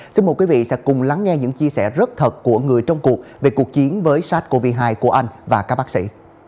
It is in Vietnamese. xin mời quý vị sẽ cùng lắng nghe những chia sẻ rất thật của người trong cuộc về cuộc chiến với sars cov hai của anh và các bác sĩ